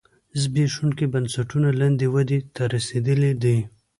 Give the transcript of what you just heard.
د زبېښونکو بنسټونو لاندې ودې ته رسېدلی دی